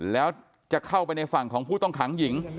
แล้วจะเข้าไปในฝั่งของผู้ต้องขังหญิง